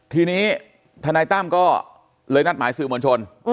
ทีนี้ทนายตั้มก็เลยนัดหมายสื่อมวลชน